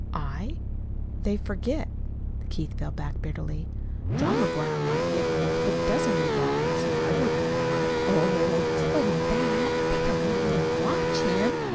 "I? They forget." Keith fell back bitterly. "John McGuire might get hold of a dozen revolvers, and I wouldn't know it." "Oh, 'twa'n't that. They didn't want you to WATCH him.